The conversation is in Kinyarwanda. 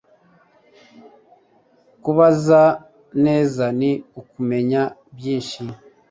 Kubaza neza ni ukumenya byinshi